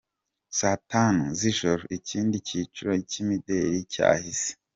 Saa tanu z’ijoro ikindi cyiciro cy’imideli cyahise.